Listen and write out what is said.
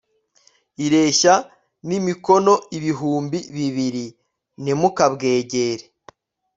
ireshya n'imikono ibihumbi bibiri; ntimukabwegere